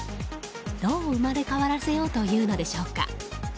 どう生まれ変わらせようというのでしょうか。